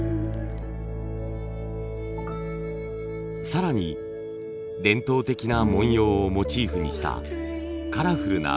更に伝統的な文様をモチーフにしたカラフルな器まで。